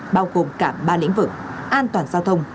bao gồm cả ba lĩnh vực an toàn giao thông